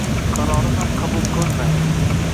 Qarori ham qabul qilinmaydi